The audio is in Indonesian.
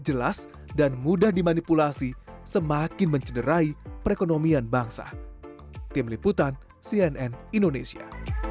jelas dan mudah dimanipulasi semakin mencederai perekonomian bangsa tim liputan cnn indonesia